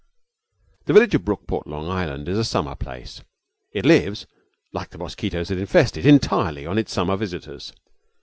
5 The village of Brookport, Long Island, is a summer place. It lives, like the mosquitoes that infest it, entirely on its summer visitors.